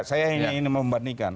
saya ingin membandingkan